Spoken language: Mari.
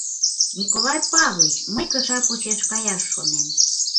— Николай Павлыч, мый кыша почеш каяш шонем.